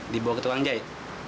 dibawa ke tukang jahit